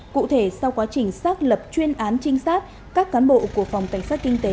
cụ thể sau quá trình xác lập chuyên án trinh sát các cán bộ của phòng cảnh sát kinh tế